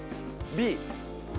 Ｂ。